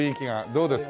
どうですか？